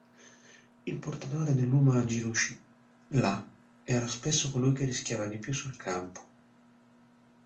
Il portatore dell"'uma-jirushi", là, era spesso colui che rischiava di più sul campo.